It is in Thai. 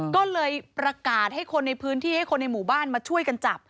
ก็เลยประกาศให้คนในพื้นที่ให้คนในหมู่บ้านมาช่วยกันจับ